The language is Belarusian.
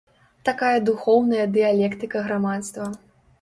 Такая духоўная дыялектыка грамадства.